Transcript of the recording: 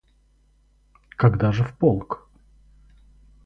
Когда же в полк?